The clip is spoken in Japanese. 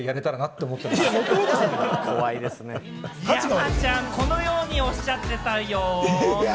山ちゃん、このようにおっしゃってたよ。